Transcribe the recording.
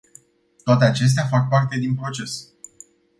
Toate acestea fac parte din proces.